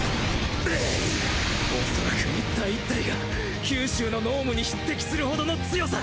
恐らく一体一体が九州の脳無に匹敵する程の強さ。